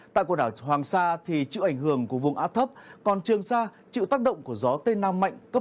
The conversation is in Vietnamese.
tại quần đảo hoàng sa chịu ảnh hưởng của vùng áp thấp còn trường sa chịu tác động của gió tây nam mạnh cấp năm